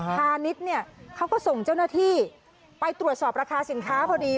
พาณิชย์เนี่ยเขาก็ส่งเจ้าหน้าที่ไปตรวจสอบราคาสินค้าพอดี